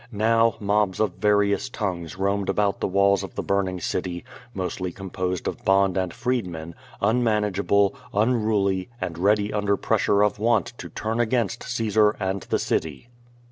Now, mobs of various tongues roamed about the wMs of the burning city, mostly composed of bond and freedmen, un manageable, unruly, and ready under pressure of want to ' turn against Caesar and the city.